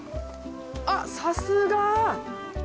あっさすが！